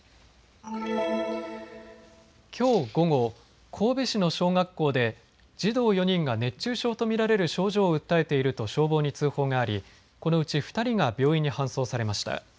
きょう午後、神戸市の小学校で児童４人が熱中症と見られる症状を訴えていると消防に通報がありこのうち２人が病院に搬送されました。